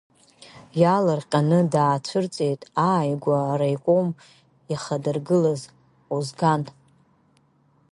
Иаалырҟьаны даацәырҵит ааигәа араиком иахадыргылаз Озган.